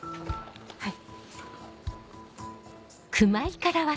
はい。